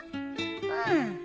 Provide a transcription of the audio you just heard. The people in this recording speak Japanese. うん。